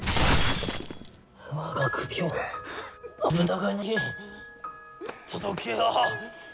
我が首を信長に届けよ。